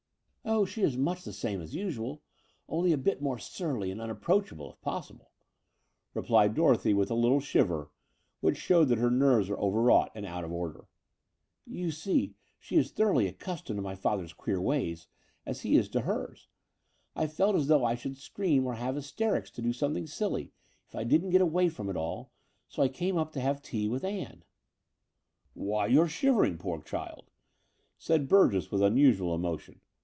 "Oh, she is much the same as usual, only a bit more surly and unapproachable, if possible," replied Dorothy, with a Uttle shiver, which showed that her nerves were overwrought and out of order. "You see, she is thoroughly accustomed to my father's queer ways, as he is to hers. I felt as though I should scream or have hysterics or do something silly, if I didn't get away from it all; so I came up to have tea with Ann." "Why, you're shivering, poor child," said Burgess with unusual emotion.